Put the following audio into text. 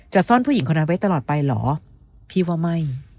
ซ่อนผู้หญิงคนนั้นไว้ตลอดไปเหรอพี่ว่าไม่